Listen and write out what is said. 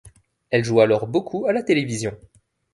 Elle joue alors beaucoup à la télévision.